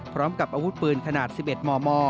พร้อมกับอาวุธปืนขนาด๑๑มม